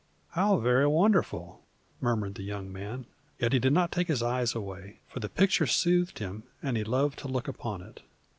"How very wonderful!" murmured the young man. Yet he did not take his eyes away, for the picture soothed him and he loved to look upon it.